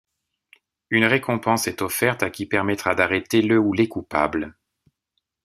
Une récompense est offerte à qui permettra d'arrêter le ou les coupables.